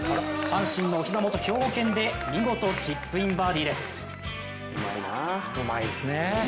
阪神のおひざ元、兵庫県で見事、チップインバーディーです。